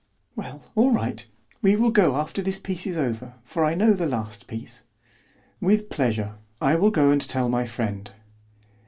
"Well, all right; we will go after this piece is over, for I know the last piece." "With pleasure; I will go and tell my friend."